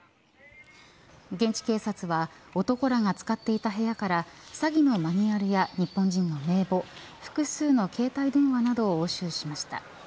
現地警察は男らが使っていた部屋から詐欺のマニュアルや日本人の名簿複数の携帯電話などを押収しました。